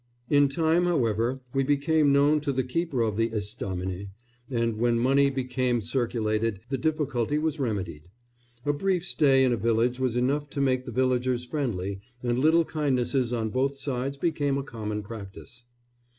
In time, however, we became known to the keeper of the estaminet, and when money became circulated the difficulty was remedied. A brief stay in a village was enough to make the villagers friendly, and little kindnesses on both sides became a common practice.